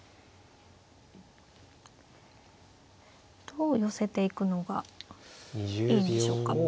どう寄せていくのがいいんでしょうか。